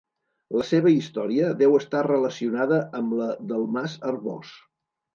La seva història deu estar relacionada amb la del mas Arbós.